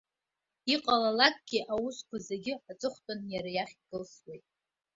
Иҟалалакгьы, аусқәа зегьы аҵыхәтәаны иара иахь икылсуеит.